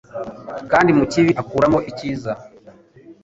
kandi mu kibi akuramo icyiza.